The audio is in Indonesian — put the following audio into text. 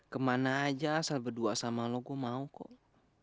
kemana aja asal berdua sama lu gua mau kok